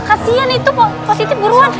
kasian itu pos siti buruan